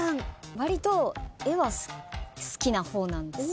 割と絵は好きな方なんですよ。